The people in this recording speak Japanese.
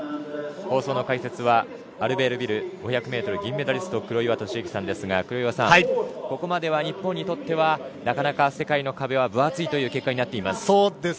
放送の解説はアルベールビル５００ｍ銀メダリスト黒岩敏幸さんですが黒岩さん、ここまでは日本にとってはなかなか世界の壁は分厚いという結果になっています。